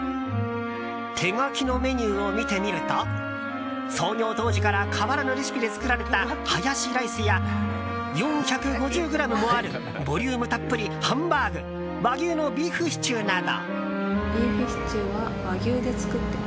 手書きのメニューを見てみると創業当時から変わらぬレシピで作られたハヤシライスや４５０ｇもあるボリュームたっぷりハンバーグ和牛のビーフシチューなど。